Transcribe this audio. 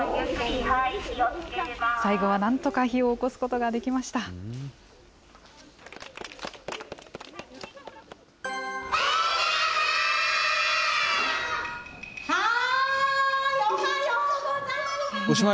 最後はなんとか火をおこすことができました。